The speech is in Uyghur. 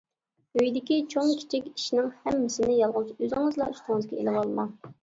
ئۆيدىكى چوڭ-كىچىك ئىشنىڭ ھەممىسىنى يالغۇز ئۆزىڭىزلا ئۈستىڭىزگە ئىلىۋالماڭ.